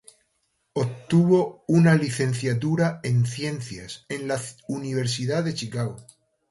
Obtuvo una licenciatura en ciencias en la Universidad de Chicago.